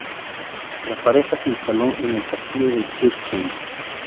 La pareja se instaló en el Castillo de Kirchheim.